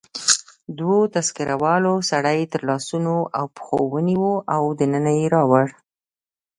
دوو تذکره والاو سړی تر لاسو او پښو ونیو او دننه يې راوړ.